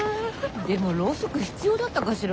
でもろうそく必要だったかしら。